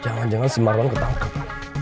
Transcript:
jangan jangan semarwan ketangkep